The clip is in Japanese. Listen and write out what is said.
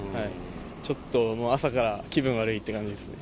ちょっと朝から気分悪いって感じですね。